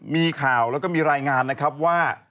มีข่าวแล้วก็มีรายงานนะครับว่า